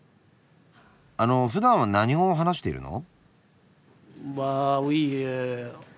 あのふだんは何語を話しているの？